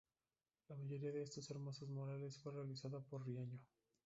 La mayoría de estos hermosos murales fue realizada por Riaño.